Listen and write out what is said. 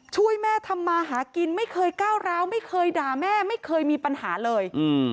ช่วยแม่ทำมาหากินไม่เคยก้าวร้าวไม่เคยด่าแม่ไม่เคยมีปัญหาเลย